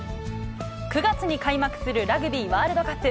９月に開幕するラグビーワールドカップ。